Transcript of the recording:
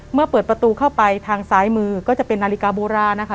เมื่อเปิดประตูเข้าไปทางซ้ายมือก็จะเป็นนาฬิกาโบราณนะคะ